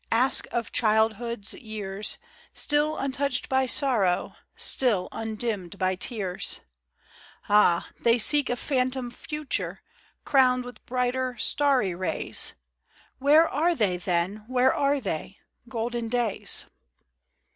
Ask of childhood's years, Still untouched by sorrow, Still undimmed by tears; Ah, they seek a phantom Future, Crowned with brighter, starry rays, — Where are they, then, where are they — Golden days